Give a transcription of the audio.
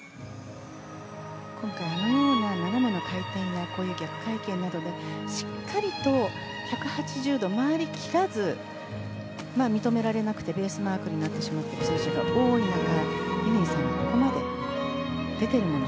今回は斜めの回転が逆回転などでしっかりと１８０度回りきらず認められなくてベースマークになってしまう選手が多い中で乾さんはここまで出ているもの